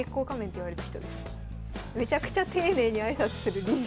めちゃくちゃ丁寧に挨拶する理事。